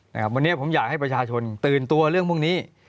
วันนี้ผมอยากให้ประชาชนตื่นตัวเรื่องพวกนี้